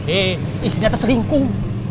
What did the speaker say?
eh istrinya terselingkuh